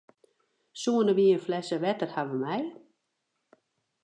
Soenen wy in flesse wetter hawwe meie?